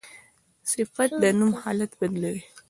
صفت د نوم حالت بدلوي.